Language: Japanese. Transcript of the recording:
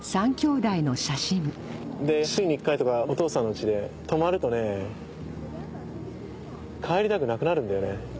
で週に１回とかお父さんの家で泊まるとね帰りたくなくなるんだよね。